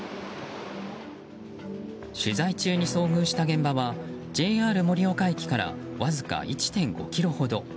取材中に遭遇した現場はＪＲ盛岡駅からわずか１．５ｋｍほど。